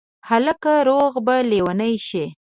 هلکه روغ به لېونی شې